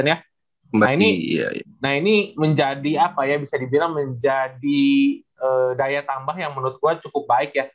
nah ini menjadi apa ya bisa dibilang menjadi daya tambah yang menurut gue cukup baik ya